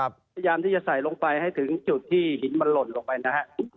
พยายามที่จะใส่ลงไปให้ถึงจุดที่หินมันหล่นลงไปนะฮะ